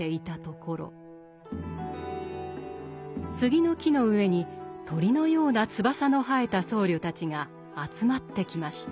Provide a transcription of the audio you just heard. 杉の木の上に鳥のような翼の生えた僧侶たちが集まってきました。